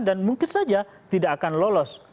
dan mungkin saja tidak akan lolos